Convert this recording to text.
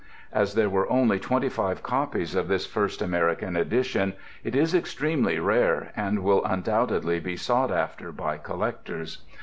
As there were only twenty five copies of this first American edition, it is extremely rare and will undoubtedly be sought after by collectors.